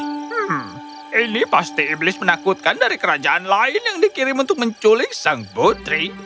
hmm ini pasti iblis menakutkan dari kerajaan lain yang dikirim untuk menculik sang putri